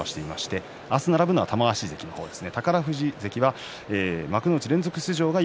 明日、並ぶのは玉鷲関の方です。